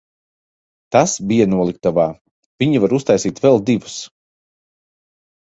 Tas bija noliktavā, viņi var uztaisīt vēl divus.